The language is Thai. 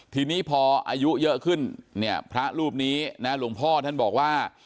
ทีนี้พออายุเยอะขึ้นเนี่ยพระรูปนี้นะหลวงพ่อท่านบอกว่า